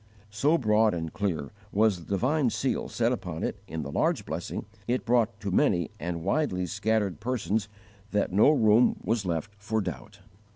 So broad and clear was the divine seal set upon it in the large blessing it brought to many and widely scattered persons that no room was left for doubt.